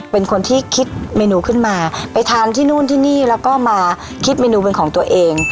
เป็นคนที่คิดเมนูขึ้นมาไปทานที่นู่นที่นี่แล้วก็มาคิดเมนูเป็นของตัวเอง